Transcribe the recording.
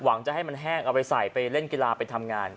จะให้มันแห้งเอาไปใส่ไปเล่นกีฬาไปทำงาน